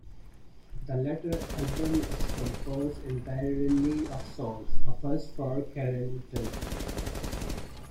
The latter album is composed entirely of songs, a first for Carrington.